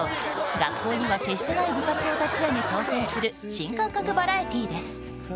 学校には決してない部活を立ち上げ挑戦する新感覚バラエティーです。